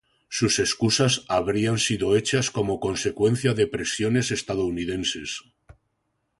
Sus excusas habrían sido hechas como consecuencia de presiones estadounidenses.